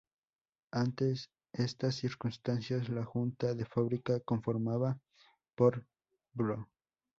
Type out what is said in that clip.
Ante estas circunstancias, la Junta de Fábrica conformada por Pbro.